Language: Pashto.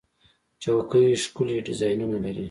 چوکۍ ښکلي ډیزاینونه لري.